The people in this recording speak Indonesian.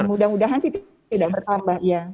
jadi mudah mudahan sih tidak bertambah ya